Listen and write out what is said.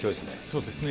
そうですね。